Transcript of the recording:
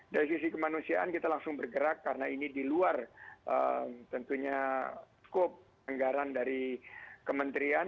dari sisi kemanusiaan kita langsung bergerak karena ini di luar tentunya skop anggaran dari kementerian